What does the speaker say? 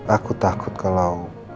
aku takut kalau